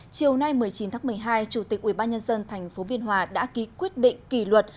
chiều nay một mươi chín tháng một mươi hai chủ tịch ubnd tp biên hòa đã ký quyết định kỷ luật